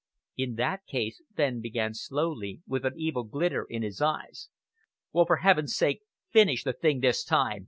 "In that case," Fenn began slowly, with an evil glitter in his eyes!!!!! "Well, for heaven's sake finish the thing this time!"